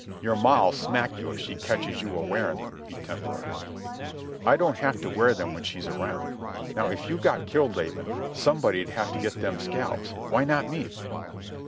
"Your ma'll smack you if she catches you a wearin' them," he temporized. "I don't have to wear them when she's around. Now if you got killed, Laban, somebody'd have to get them scalps. Why not me?"